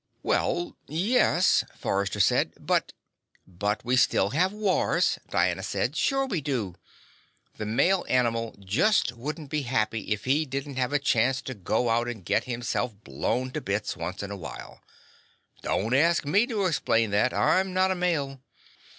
"Well, yes," Forrester said, "but " "But we still have wars," Diana said. "Sure we do. The male animal just wouldn't be happy if he didn't have a chance to go out and get himself blown to bits once in a while. Don't ask me to explain that I'm not a male."